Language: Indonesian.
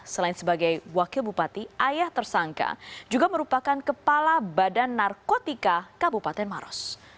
selain sebagai wakil bupati ayah tersangka juga merupakan kepala badan narkotika kabupaten maros